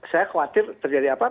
saya khawatir terjadi apa